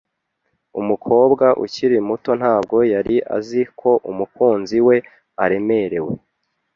Umukobwa ukiri muto ntabwo yari azi ko umukunzi we aremerewe.